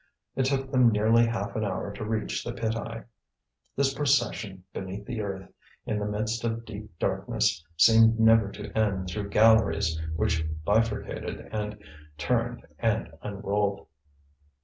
It took them nearly half an hour to reach the pit eye. This procession beneath the earth, in the midst of deep darkness, seemed never to end through galleries which bifurcated and turned and unrolled.